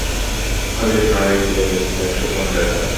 হলের ভাড়াই লেগেছিল একশো পঞ্চাশ ডলার।